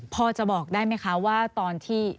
พอจะบอกได้ไหมคะว่าตอนที่